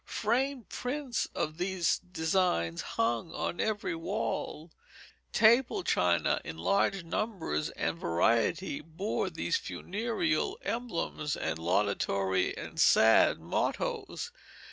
Framed prints of these designs hung on every wall, table china in large numbers and variety bore these funereal emblems, and laudatory and sad mottoes.